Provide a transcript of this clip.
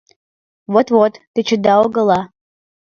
— Вот-вот, тӧчеда-огыла.